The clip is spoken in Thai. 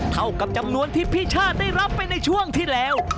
เท่ากับจำนวนที่พี่ชาติได้รับไปในช่วงที่แล้ว